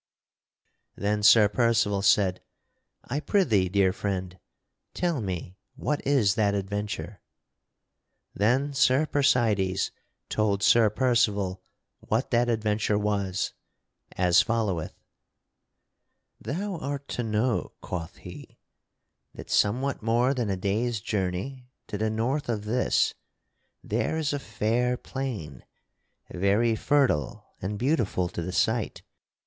Then Sir Percival said: "I prithee, dear friend, tell me what is that adventure." Then Sir Percydes told Sir Percival what that adventure was as followeth: [Sidenote: Sir Percydes telleth Sir Percival of Beaurepaire] "Thou art to know," quoth he, "that somewhat more than a day's journey to the north of this there is a fair plain, very fertile and beautiful to the sight.